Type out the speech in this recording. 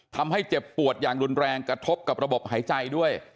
ทำให้เจ็บปวดอย่างรุนแรงกระทบกับระบบหายใจด้วย